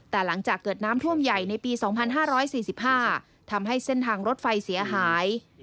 แต่หลังจากเกิดน้ำท่วมใหญ่ในปี๒๕๔๕ทำให้เส้นทางรถไฟเสียหาย